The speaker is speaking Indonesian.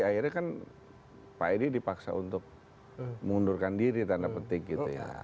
akhirnya kan pak edi dipaksa untuk mengundurkan diri tanda petik gitu ya